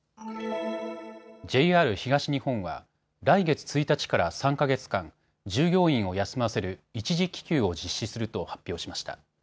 ＪＲ東日本は来月１日から３か月間、従業員を休ませる一時帰休を実施すると発表しました。